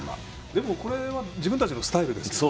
でも、これは自分たちのスタイルですからね。